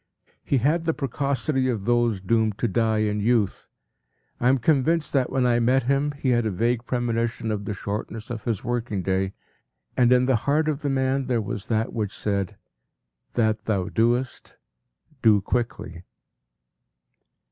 ” He had the precocity of those doomed to die in youth. I am convinced that when I met him he had a vague premonition of the shortness of his working day, and in the heart of the man there was that which said, “That thou doest, do quickly.